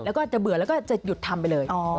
แล้วก็จะเบื่อแล้วก็จะหยุดทำไปเลย